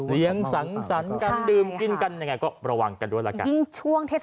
เลี้ยงสั่งสรรค์กันดื่มกินกันยังไงก็ประวังกันด้วยแล้วกันยิ่งช่วงเทศกรรม